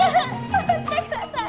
下ろしてください！